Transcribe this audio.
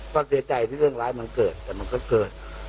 ก็เสียใจที่เรื่องร้ายมันเกิดแต่มันก็เกิด